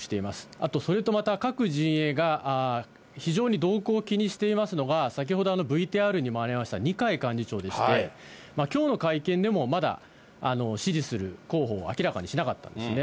あと、それとまた、各陣営が非常に動向を気にしていますのが、先ほどＶＴＲにもありました二階幹事長でして、きょうの会見でもまだ支持する候補を明らかにしなかったんですね。